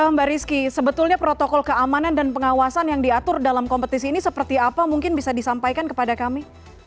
mbak rizky sebetulnya protokol keamanan dan pengawasan yang diatur dalam kompetisi ini seperti apa mungkin bisa disampaikan kepada kami